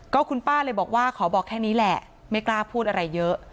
ก็คุณป้าเลยบอกว่าขอบอกแค่นี้แหละไม่กล้าพูดอะไรเยอะ